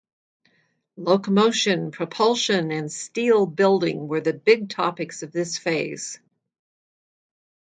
Locomotion, propulsion and steel building were the big topics of this phase.